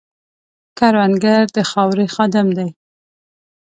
کروندګر د خاورې خادم دی